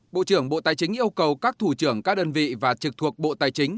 bộ trưởng bộ tài chính yêu cầu các thủ trưởng các đơn vị và trực thuộc bộ tài chính